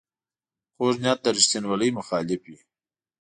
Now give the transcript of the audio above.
کوږ نیت د ریښتینولۍ مخالف وي